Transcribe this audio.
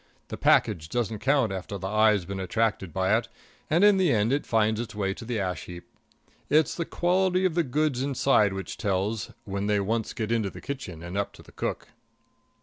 The package doesn't count after the eye's been attracted by it, and in the end it finds its way to the ash heap. It's the quality of the goods inside which tells, when they once get into the kitchen and up to the cook.